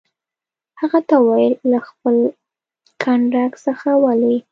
هغه ته وویل: له خپل کنډک څخه ولې.